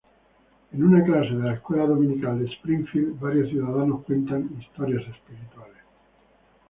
En una clase de la escuela dominical de Springfield, varios ciudadanos cuentan historias espirituales.